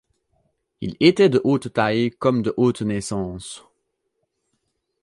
Il était de haute taille comme de haute naissance.